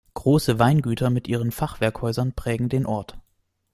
Große Weingüter mit ihren Fachwerkhäusern prägen den Ort.